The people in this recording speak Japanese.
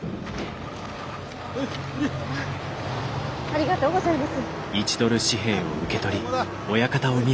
ありがとうございます。